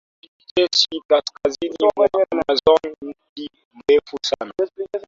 Jari kijeshi kaskazini mwa Amazon Mti Mrefu Sana